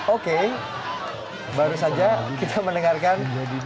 oke baru saja kita mendengarkan